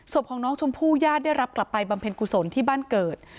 ศพของน้องชมพู่ญาติได้รับกลับไปบำเพ็ญกุศลที่บ้านเกิด